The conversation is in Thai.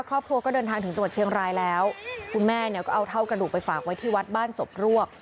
ครอบครัวก็เดินทางถึงจังหวัดเชียงรายแล้วคุณแม่เนี่ยก็เอาเท่ากระดูกไปฝากไว้ที่วัดบ้านศพรวก